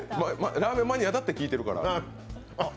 ラーメンマニアだって聞いてるから。